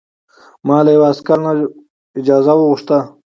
ما له یوه عسکر نه اجازه وغوښته.